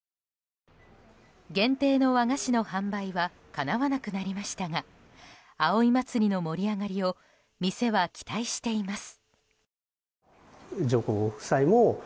限定の和菓子の販売はかなわなくなりましたが葵祭の盛り上がりを店は期待しています。